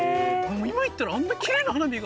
今行ったらあんなキレイな花火が。